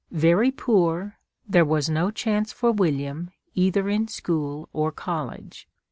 Very poor, there was no chance for William, either in school or college.